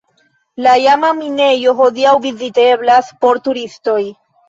La iama minejo hodiaŭ viziteblas por turistoj.